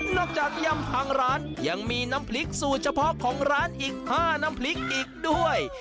จากยำพังร้านยังมีน้ำพริกสูตรเฉพาะของร้านอีก๕น้ำพริกอีกด้วย